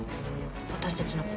私たちの事。